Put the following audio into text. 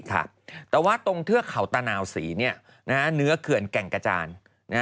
แต่ว่าตรงเทือกเขาตะนาวศรีเนื้อเขื่อนแก่งกระจาน